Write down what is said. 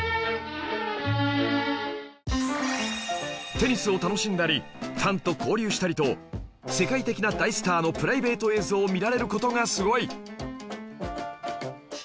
テニスを楽しんだりファンと交流したりと世界的な大スターのプライベート映像を見られる事がすごい！